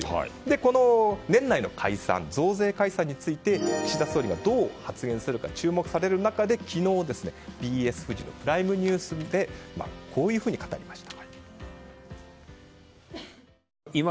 この年内の解散増税解散について岸田総理はどう発言するか注目される中で昨日、ＢＳフジの「プライムニュース」にてこういうふうに語りました。